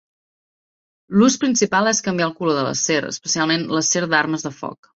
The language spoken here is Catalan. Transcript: L'ús principal és canviar el color de l'acer, especialment l'acer d'armes de foc.